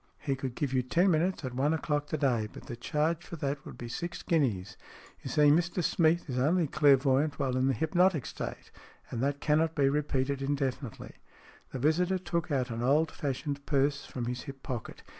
" He could give you ten minutes at one o'clock to day. But the charge for that would be six guineas. You see, Mr Smeath is only clairvoyant while in the hypnotic state, and that cannot be repeated indefinitely." The visitor took an old fashioned purse from his hip pocket.